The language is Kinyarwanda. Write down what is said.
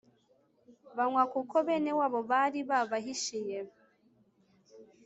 Banywa kuko bene wabo bari babahishiye